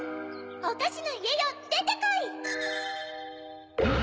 おかしのいえよでてこい！